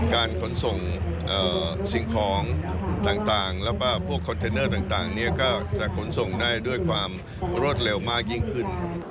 การขนส่งสิ่งของต่างแล้วก็พวกคอนเทนเนอร์ต่างก็จะขนส่งได้ด้วยความรวดเร็วมากยิ่งขึ้น